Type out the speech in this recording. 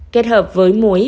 kết hợp với muối